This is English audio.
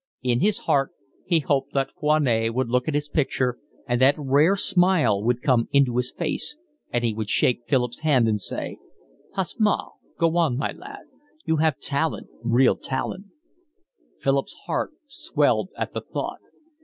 In his heart he hoped that Foinet would look at his picture, and that rare smile would come into his face, and he would shake Philip's hand and say: "Pas mal. Go on, my lad. You have talent, real talent." Philip's heart swelled at the thought.